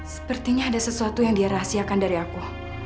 sepertinya ada sesuatu yang dia rahasiakan dari aku